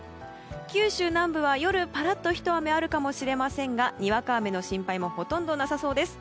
九州南部は夜、ぱらっとひと雨あるかもしれませんがにわか雨の心配もほとんどなさそうです。